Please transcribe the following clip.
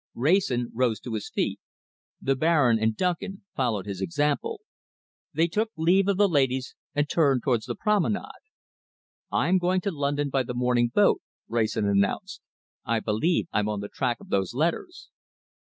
Wrayson rose to his feet. The Baron and Duncan followed his example. They took leave of the ladies and turned towards the promenade. "I'm going to London by the morning boat," Wrayson announced. "I believe I'm on the track of those letters."